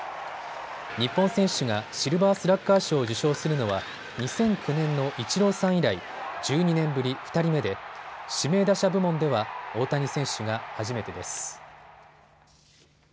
日本選手がシルバースラッガー賞を受賞するのは２００９年のイチローさん以来、１２年ぶり２人目で指名打者部門では大谷選手が初めてです。